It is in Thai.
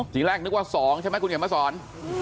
สิ่งแรกนึกว่า๒ใช่ไหมคุณเห็นมาสอน